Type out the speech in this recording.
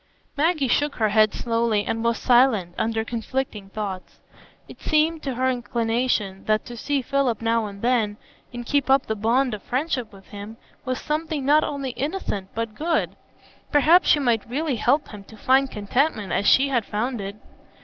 Maggie shook her head slowly, and was silent, under conflicting thoughts. It seemed to her inclination, that to see Philip now and then, and keep up the bond of friendship with him, was something not only innocent, but good; perhaps she might really help him to find contentment as she had found it.